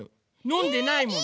のんでないもの。